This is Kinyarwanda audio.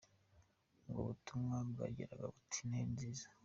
Ubwo butumwa bwagiraga buti “Noheli Nziza”.